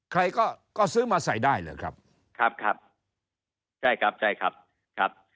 ใครก็ก็ซื้อมาใส่ได้เหรอครับครับใช่ครับใช่ครับครับ